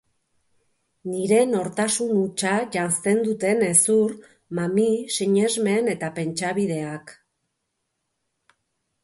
Nire nortasun hutsa janzten duten hezur, mami, sinesmen eta pentsabideak.